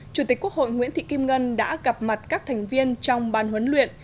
chủ tịch quốc hội nguyễn thị kim ngân đã gặp mặt các thành viên trong ban huấn luyện